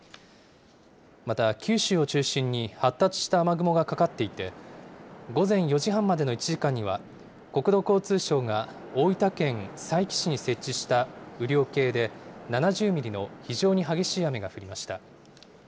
また、九州を中心に発達した雨雲がかかっていて、午前４時半までの１時間には、国土交通省が大分県佐伯市に設置した雨量計で７０ミリの非常に激しい雨が降りました。